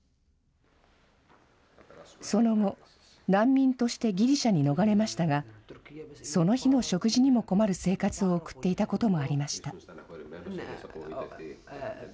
その後、難民としてギリシャに逃れましたが、その日の食事にも困る生活を送っていたこともありました。